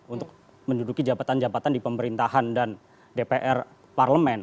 untuk menduduki jabatan jabatan di pemerintahan dan dpr parlemen